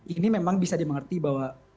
ini memang bisa dimengerti bahwa